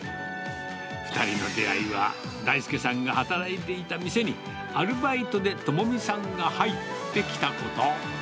２人の出会いは、大輔さんが働いていた店に、アルバイトで友美さんが入ってきたこと。